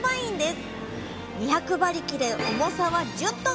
２００馬力で重さは１０トン。